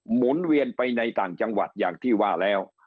หมุนเวียนไปในต่างจังหวัดอย่างที่ว่าแล้ว